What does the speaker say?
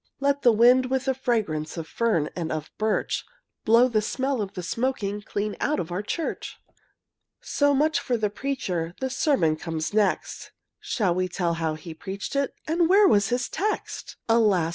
Let the wind, with the fragrance Of fern and black birch, Blow the smell of the smoking Clean out of the church! So much for the preacher: The sermon comes next, Shall we tell how he preached it, And where was his text? Alas!